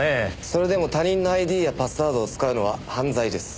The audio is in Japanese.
それでも他人のＩＤやパスワードを使うのは犯罪です。